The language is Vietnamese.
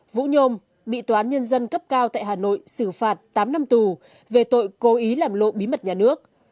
vũ nhôm bị tòa án nhân dân cấp cao tại hà nội xử phạt tám năm tù về tội cố ý làm lộ bí mật nhà nước